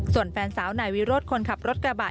ส่วนแฟนสาวนายวิโรธคนขับรถกระบะ